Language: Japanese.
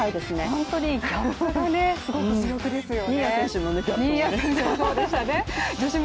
本当にギャップがすごく魅力ですよね。